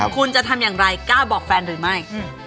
คุณจะทำอย่างไรกล้าบอกแฟนหรือไม่